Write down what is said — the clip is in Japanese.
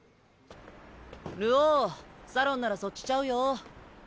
流鶯サロンならそっちちゃうよ。